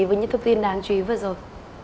với những thông tin đáng chú ý vừa rồi